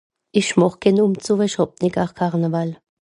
esch màch ken umzug esch hàb nìt gar Karnaval